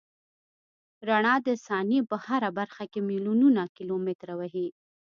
رڼا د ثانیې په هره برخه کې میلیونونه کیلومتره وهي.